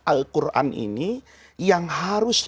al quran ini yang harus